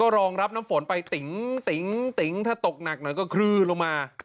รองรับน้ำฝนไปติ๋งติ๋งติ๋งถ้าตกหนักหน่อยก็คลื่นลงมา